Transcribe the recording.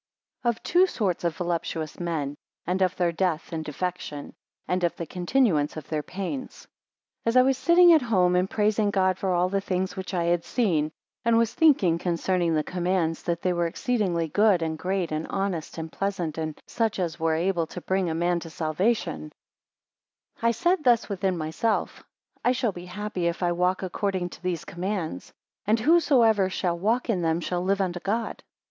Of two sorts of voluptuous men, and of their death and defection; and of the continuance of their pains. AS I was sitting at home, and praising God for all the things which I had seen; and was thinking concerning the commands, that they were exceedingly good, and great, and honest, and pleasant, and such as were able to bring a man to salvation; I said thus within myself, I shall be happy if I walk according to these commands; and whosoever shall walk in them shall live unto God.